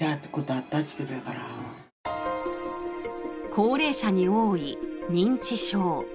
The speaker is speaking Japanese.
高齢者に多い認知症。